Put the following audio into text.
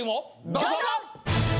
どうぞ！